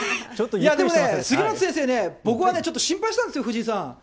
いや、でもね、杉本さん、僕はちょっと心配したんですよ、藤井さん。